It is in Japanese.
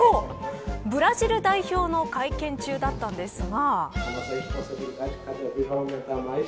ブラジル代表の会見中だったんですが。